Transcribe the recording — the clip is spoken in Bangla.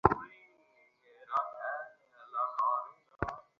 দুই বছর ধরে এ অবস্থা চললেও ভবনটি সংস্কারে কোনো উদ্যোগ নেই।